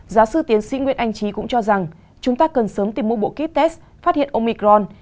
giáo sư tiến sĩ nguyễn anh trí cũng cho rằng chúng ta cần sớm tìm mỗi bộ kích test phát hiện omicron